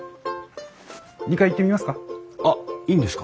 ２階行ってみますか？